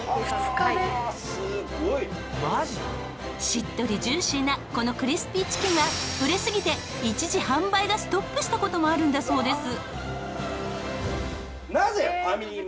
しっとりジューシーなこのクリスピーチキンは売れすぎて一時販売がストップした事もあるんだそうです。